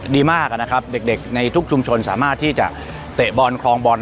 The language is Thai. ดีมากนะครับเด็กในทุกชุมชนสามารถที่จะเตะบอลคลองบอล